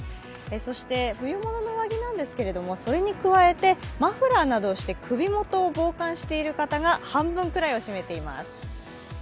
そして冬物の上着なんですけどそれに加えてマフラーなどを加えて首元を防寒している方が半分くらいを占めています。